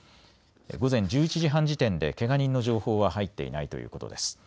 午前１１時半時点でけが人の情報は入っていないということです。